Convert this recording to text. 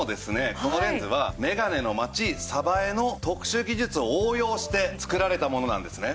このレンズはメガネの街江の特殊技術を応用して作られたものなんですね。